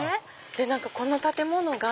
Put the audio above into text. この建物が。